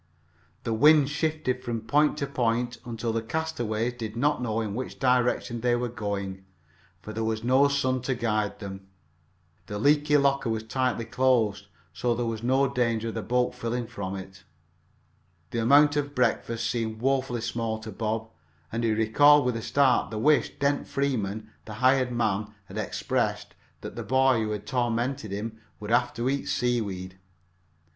The wind shifted from point to point until the castaways did not know in which direction they were going, for there was no sun to guide them. The leaky locker was tightly closed, so that there was no danger of the boat filling from it. The amount of breakfast seemed woefully small to Bob, and he recalled with a start the wish Dent Freeman, the hired man, had expressed, that the boy who tormented him would have to eat seaweed.